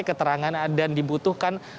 keterangan dan dibutuhkan